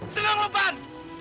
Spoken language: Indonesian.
senang lu pan